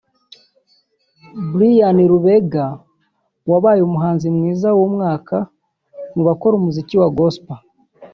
Brian Lubega wabaye umuhanzi mwiza w'umwaka mu bakora umuziki wa Gospel